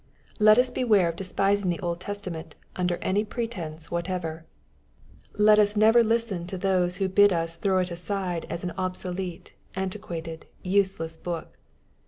Let us beware of despising the Old Testament undel 88 EXPOSITORY THOUGHTS* any pretence whatever. Let us never listen to those who bid us throw it aside as an obsolete^ antiquated, useless book.